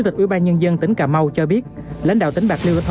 theo kế hoạch là báo cáo